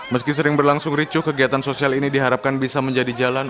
meski sering berlangsung ricuh kegiatan sosial ini diharapkan bisa menjadi jalan